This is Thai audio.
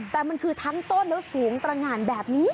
แต่มันคือทั้งต้นแล้วสูงตรงานแบบนี้